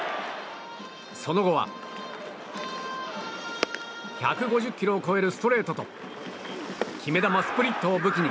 その後は１５０キロを超えるストレートと